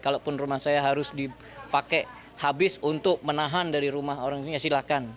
kalaupun rumah saya harus dipakai habis untuk menahan dari rumah orang ini ya silahkan